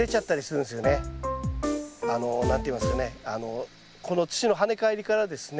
何て言いますかねこの土の跳ね返りからですね